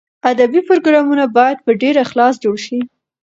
ادبي پروګرامونه باید په ډېر اخلاص جوړ شي.